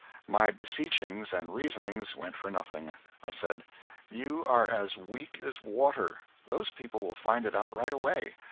My beseechings and reasonings went for nothing. I said, "You are as weak as water. Those people will find it out right away.